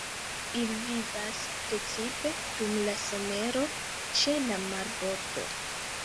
Ili vivas precipe dum la somero ĉe la marbordo.